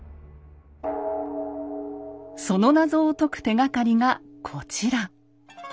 その謎を解く手がかりがこちら。